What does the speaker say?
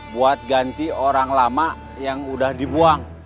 buat ganti orang lama yang udah dibuang